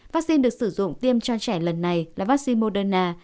vaccine được sử dụng tiêm cho trẻ lần này là vaccine moderna